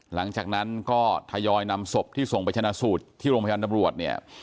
หลังจากนั้นก็ทยอยนำศพที่ส่งไปชนะสูตรที่โรงพยาบาลตำรวจเนี่ย